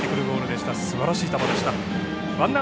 すばらしい球でした。